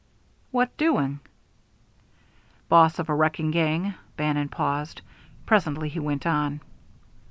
"What doing?" "Boss of a wrecking gang." Bannon paused. Presently he went on.